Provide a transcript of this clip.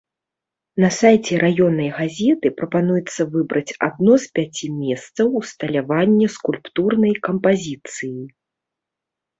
На сайце раённай газеты прапануецца выбраць адно з пяці месцаў усталявання скульптурнай кампазіцыі.